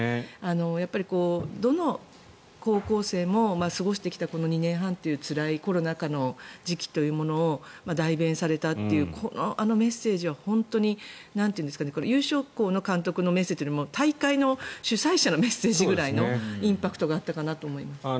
やっぱり、どの高校生も過ごしてきたこの２年半というつらいコロナ禍の時期というのを代弁されたというあのメッセージは本当に優勝校の監督のメッセージというよりも大会の主催者のメッセージぐらいのインパクトがあったかなと思います。